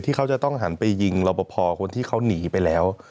ที่เขาจะต้องหันไปยิงรอปภคนที่เขาหนีไปแล้ว